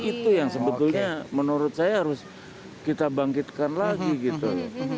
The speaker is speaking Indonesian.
itu yang sebetulnya menurut saya harus kita bangkitkan lagi gitu loh